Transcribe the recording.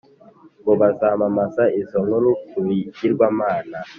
ngo bazamamaze izo nkuru ku bigirwamana